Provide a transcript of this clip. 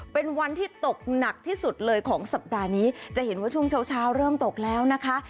เป็นวันที่ตกหนักที่สุดเลยของสัปดาห์นี้จะเห็นว่าช่วงเช้าเช้าเริ่มตกแล้วนะคะ